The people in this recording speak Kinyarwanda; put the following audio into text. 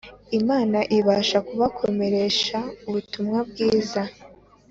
Imana ibasha kubakomeresha ubutumwa bwiza